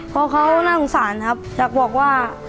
เพราะเขาน่าสงสารครับอยากบอกว่า